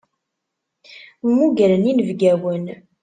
Mmugren inebgawen.